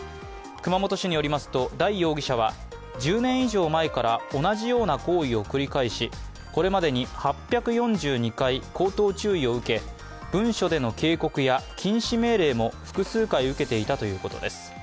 熊本市によりますと代容疑者は１０年以上前から同じような行為を繰り返し、これまでに８４２回、口頭注意を受け、文書での警告や禁止命令も複数回受けていたということです。